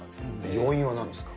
要因はなんですか。